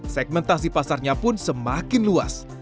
segmentasi pasarnya pun semakin luas